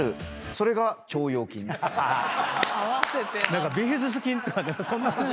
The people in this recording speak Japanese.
何かビフィズス菌とかそんな。